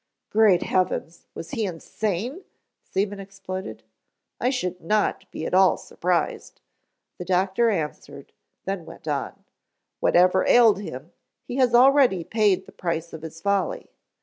"Great heavens, was he insane?" Seaman exploded. "I should not be at all surprised," the doctor answered, then went on, "whatever ailed him, he has already paid the price of his folly.